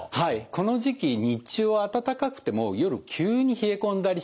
この時期日中は暖かくても夜急に冷え込んだりしますよね。